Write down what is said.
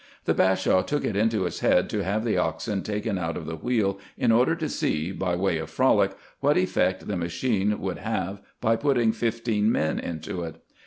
The Bashaw took it into his head to have the oxen taken out of the wheel, in order to see, by way of frolic, what effect the machine would have by putting fifteen men into it.